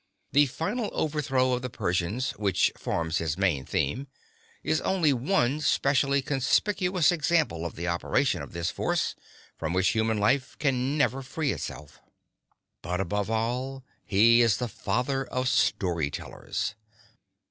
The final overthrow of the Persians, which forms his main theme, is only one specially conspicuous example of the operation of this force from which human life can never free itself. But, above all, he is the father of story tellers.